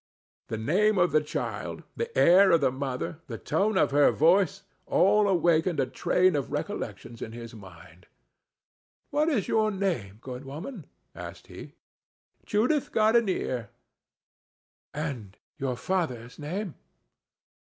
The name of the child, the air of the mother, the tone of her voice, all awakened a train of recollections in his mind. "What is your name, my good woman?" asked he. "Judith Gardenier." "And your father's name?"